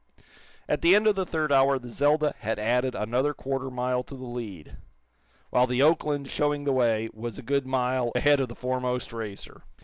At the end of the third hour the "Zelda" had added another quarter mile to the lead, while the "Oakland" showing the way, was a good mile ahead of the foremost racer.